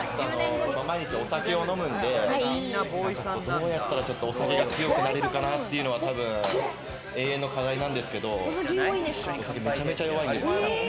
毎日お酒を飲むんで、どうやったらちょっとお酒が強くなれるかなというのは永遠の課題なんですけれど、お酒めちゃくちゃ弱いんですよ。